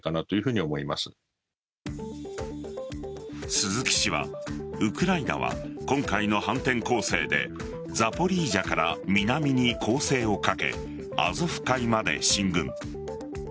鈴木氏はウクライナは今回の反転攻勢でザポリージャから南に攻勢をかけアゾフ海まで進軍。